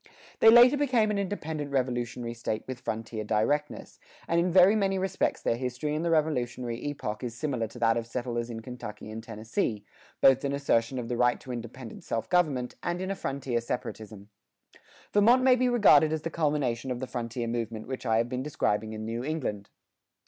They later became an independent Revolutionary state with frontier directness, and in very many respects their history in the Revolutionary epoch is similar to that of settlers in Kentucky and Tennessee, both in assertion of the right to independent self government and in a frontier separatism.[78:1] Vermont may be regarded as the culmination of the frontier movement which I have been describing in New England.